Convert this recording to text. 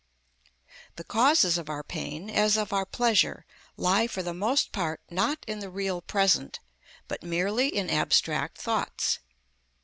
The causes of our pain, as of our pleasure, lie for the most part, not in the real present, but merely in abstract thoughts.